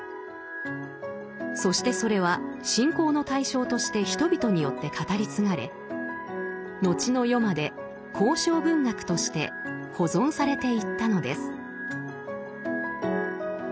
そしてそれは信仰の対象として人々によって語り継がれ後の世まで口承文学として保存されていったのです。